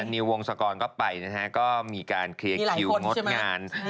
นิววงศกรก็ไปนะครับมีคุยหัวงออดงาน